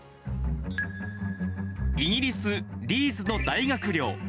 イギリス・リーズの大学寮。